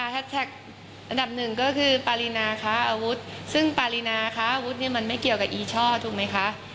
อันดับหนึ่งก็คือปารีนาค้าอาวุธซึ่งปารีนาค้าอาวุธเนี่ยมันไม่เกี่ยวกับอีช่อถูกไหมคะ